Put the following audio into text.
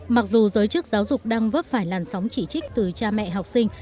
mặc dù giới chức giáo dục đang vấp phải làn sóng chỉ trích từ cha mẹ học sinh